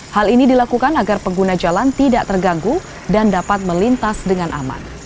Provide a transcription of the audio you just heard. hal ini dilakukan agar pengguna jalan tidak terganggu dan dapat melintas dengan aman